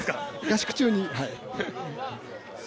合宿中に。